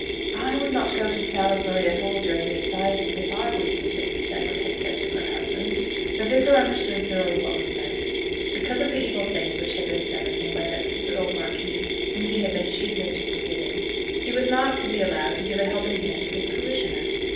"I would not go to Salisbury at all during the assizes, if I were you," Mrs. Fenwick had said to her husband. The Vicar understood thoroughly what was meant. Because of the evil things which had been said of him by that stupid old Marquis whom he had been cheated into forgiving, he was not to be allowed to give a helping hand to his parishioner!